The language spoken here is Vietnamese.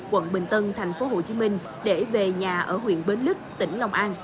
quận bình tân tp hcm để về nhà ở huyện bến lức tỉnh long an